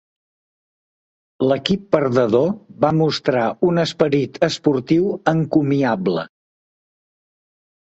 L'equip perdedor va mostrar un esperit esportiu encomiable.